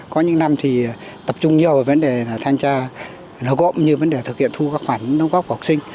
có những năm thì tập trung nhiều vào vấn đề là thanh tra nấu gỗm như vấn đề thực hiện thu các khoản nấu góp của học sinh